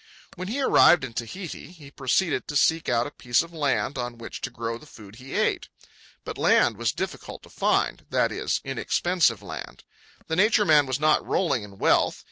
When he arrived in Tahiti, he proceeded to seek out a piece of land on which to grow the food he ate. But land was difficult to find—that is, inexpensive land. The Nature Man was not rolling in wealth.